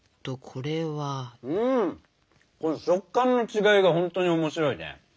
この食感の違いがほんとに面白いね。